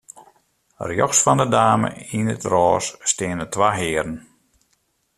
Rjochts fan 'e dame yn it rôs steane twa hearen.